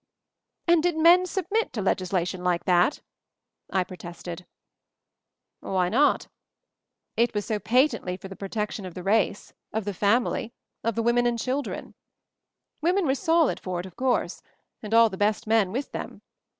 "And did men submit to legislation like that?" I protested. MOVING THE MOUNTAIN 109 "Why not? It was so patently for the protection of the race — of the family — of the women and children. Women were solid for it, of course — And all the best men with them.